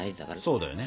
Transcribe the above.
そうだよね。